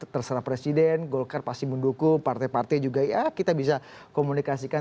terserah presiden golkar pasti mendukung partai partai juga ya kita bisa komunikasikan